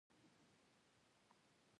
هغه د کوچ شاته ولویده او زګیروی یې وکړ